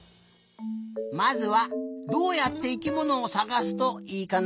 まずはどうやって生きものをさがすといいかな？